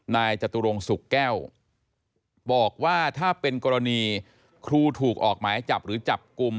นายจตุรงศุกร์แก้วบอกว่าถ้าเป็นกรณีครูถูกออกหมายจับหรือจับกลุ่ม